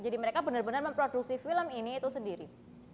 jadi mereka benar benar memproduksi film ini itu sendiri